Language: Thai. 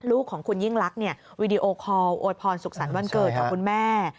ลูกของคุณยิ่งลักษณ์วีดีโอคอลโวยพรสุขสรรค์วันเกิดกับคุณแม่